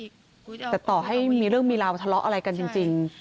แต่ต่อให้มีเรื่องมีราวทะเลาะอะไรกันจริง